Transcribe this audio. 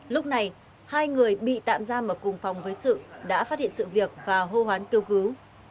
lúc này hai người bị tạm giam ở cùng phòng với sự đã phát hiện sự việc và hô hoán kêu cứu